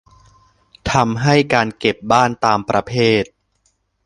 ทำให้การเก็บบ้านตามประเภท